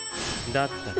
だったら。